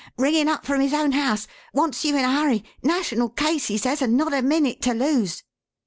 Ringing up from his own house. Wants you in a hurry. National case, he says, and not a minute to lose."